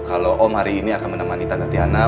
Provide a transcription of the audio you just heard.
kalau om hari ini akan menemani tana tiana